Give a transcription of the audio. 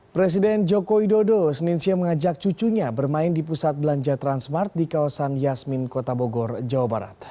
presiden joko widodo senin siang mengajak cucunya bermain di pusat belanja transmart di kawasan yasmin kota bogor jawa barat